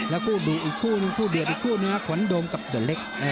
คู่ดุอีกคู่นึงคู่เดือดอีกคู่หนึ่งขวัญโดมกับเดือดเล็ก